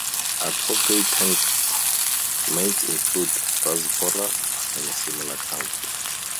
Appropriate tankmates include "Rasbora" and similar calm fish.